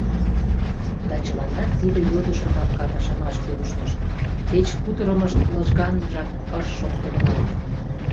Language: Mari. Да чыланат тиде йодышымак каҥашымашке ушнышт, кеч кутырымышт лыжганжак ыш шокто гынат.